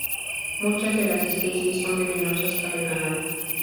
Muchas de las especies son venenosas para el ganado.